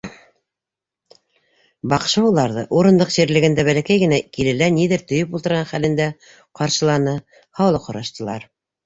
Баҡшы уларҙы урындыҡ ширлегендә бәләкәй генә килелә ниҙер төйөп ултырған хәлендә ҡаршыланы, һаулыҡ һораштылар.